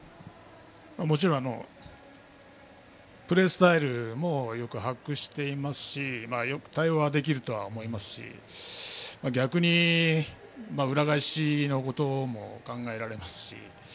もちろんプレースタイルもよく把握していますしよく対応はできると思いますし逆に、裏返しのことも考えられますし。